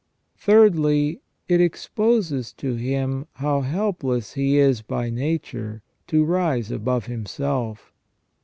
Thirdly, it exposes to him how helpless he is, by nature, to rise above himself.